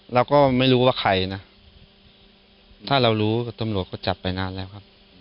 เราก็ไม่รู้ว่าใครนะถ้าเรารู้ตำรวจก็จับไปนานแล้วครับ